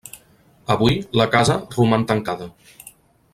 Avui la casa roman tancada.